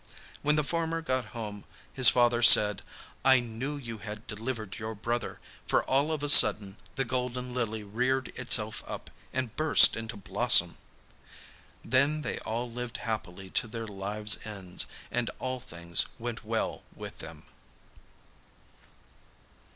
When the former got home his father said, 'I knew you had delivered your brother, for all of a sudden the golden lily reared itself up and burst into blossom.' Then they all lived happily to their lives' ends, and all things went well with them.